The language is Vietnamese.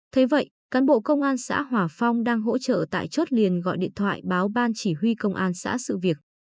thế vậy cán bộ công an xã hòa phong đang hỗ trợ tại chốt liền gọi điện thoại báo ban chỉ huy công an xã sự việc